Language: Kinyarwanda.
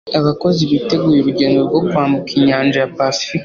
abakozi biteguye urugendo rwo kwambuka inyanja ya pasifika